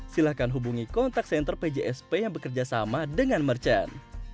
silahkan hubungi kontak senter pjsp yang bekerja sama dengan merchant